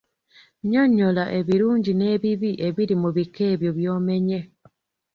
Nnyonnyola ebirungi n'ebibi ebiri mu bika ebyo by'omenye.